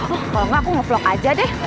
oh kalau enggak aku nge vlog aja deh